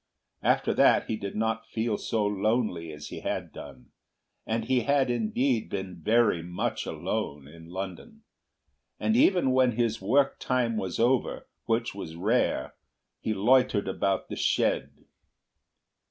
After that he did not feel so lonely as he had done, and he had indeed been very much alone in London. And even when his work time was over, which was rare, he loitered about the shed.